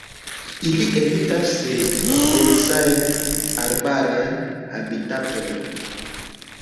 Ili evitas densajn arbarajn habitatojn.